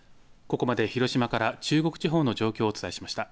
ここまで広島から中国地方の状況をお伝えしました。